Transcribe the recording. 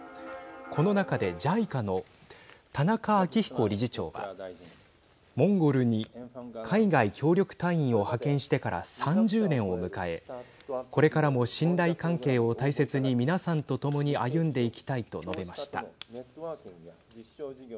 この中でＪＩＣＡの田中明彦理事長はモンゴルに海外協力隊員を派遣してから３０年を迎えこれからも信頼関係を大切に皆さんと共に歩んでいきたいと述べました。